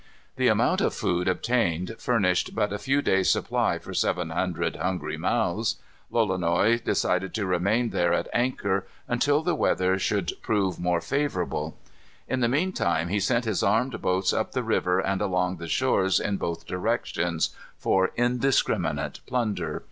The amount of food obtained, furnished but a few days' supply for seven hundred hungry mouths. Lolonois decided to remain there at anchor until the weather should prove more favorable. In the mean time he sent his armed boats up the river and along the shores in both directions for indiscriminate plunder.